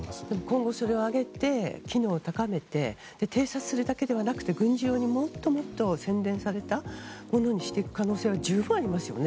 今後、それを上げて機能を高めて偵察するだけではなくて軍事用にもっと洗練されたものにしていく可能性は十分ありますよね。